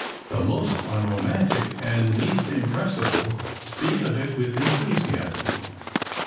The most unromantic and least impressible speak of it with enthusiasm.